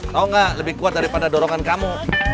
tau gak lebih kuat daripada dorongan kamu